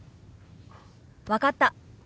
分かった。